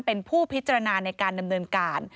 เป็นผู้พิจารณาในการดำเนินการ